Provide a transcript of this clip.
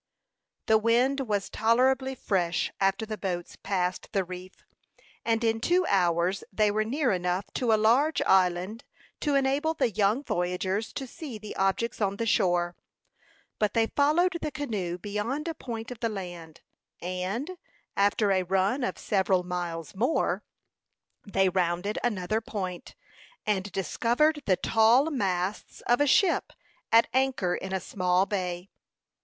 The wind was tolerably fresh after the boats passed the reef, and in two hours they were near enough to a large island to enable the young voyagers to see the objects on the shore. But they followed the canoe beyond a point of the land; and, after a run of several miles more, they rounded another point, and discovered the tall masts of a ship, at anchor in a small bay.